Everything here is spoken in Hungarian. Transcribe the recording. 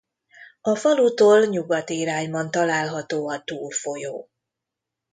A falutól nyugati irányban található a Túr folyó.